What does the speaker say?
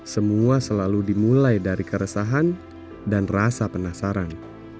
semua selalu dimulai dari keresahan dan rasa penasaran